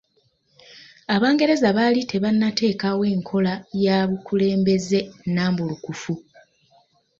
Abangereza baali tebannateekewo enkola ya bululembeze nnambulukufu.